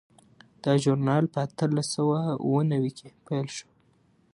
دا ژورنال په اتلس سوه اووه نوي کې پیل شو.